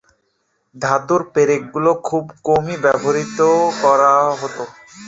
ধাতুর পেরেকগুলো খুব কমই ব্যবহার করা হতো।